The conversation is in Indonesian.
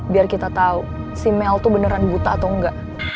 biar kita tahu si mel tuh beneran buta atau enggak